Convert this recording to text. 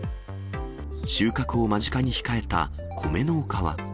収穫を間近に控えたコメ農家は。